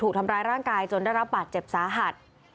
ถูกทำร้ายร่างกายจนได้รับบาดเจ็บสาหัส